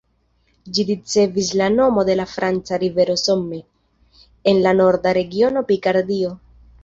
Ĝi ricevis la nomo de la franca rivero Somme, en la Norda regiono Pikardio.